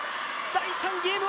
第３ゲーム。